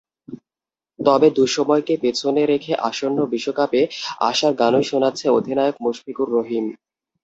তবে দুঃসময়কে পেছনে রেখে আসন্ন বিশ্বকাপে আশার গানই শোনাচ্ছেন অধিনায়ক মুশফিকুর রহিম।